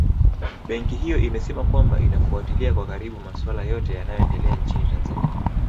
Benki hiyo imesema kwamba inafuatilia kwa karibu maswala yote yanayoendelea nchini Tanzania